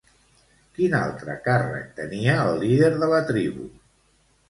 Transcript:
Quin altre càrrec tenia el líder de la tribu?